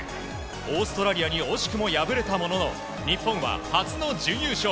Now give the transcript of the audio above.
オーストラリアに惜しくも敗れたものの日本は初の準優勝。